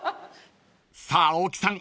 ［さあ大木さん